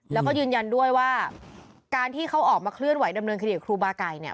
แล้วก็ยืนยันด้วยว่าการที่เขาออกมาเคลื่อนไหดำเนินคดีกับครูบาไก่เนี่ย